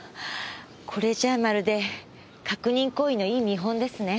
これじゃあまるで確認行為のいい見本ですね。